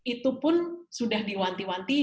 itu pun sudah diwanti wanti